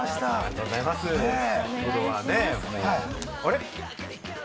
あれ？